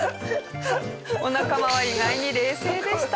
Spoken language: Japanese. お仲間は意外に冷静でした。